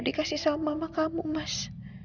dikasih sama mama kamu mas